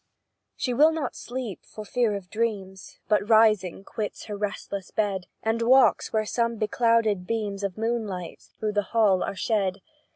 She will not sleep, for fear of dreams, But, rising, quits her restless bed, And walks where some beclouded beams Of moonlight through the hall are shed.